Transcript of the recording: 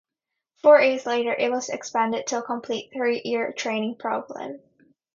Four years later it was expanded to a complete three-year training program.